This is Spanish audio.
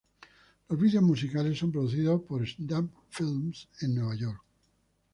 Los videos musicales son producidos por Snap Films en Nueva York.